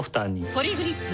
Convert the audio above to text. ポリグリップ